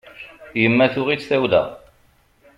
Yemma tuɣ-itt tawla.